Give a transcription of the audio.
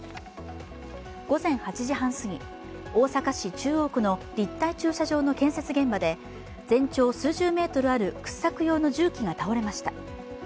午前８時半すぎ、大阪市中央区の立体駐車場の建設現場で全長数十メートルある掘削用の重機が倒れました。